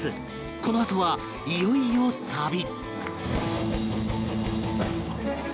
このあとはいよいよサビ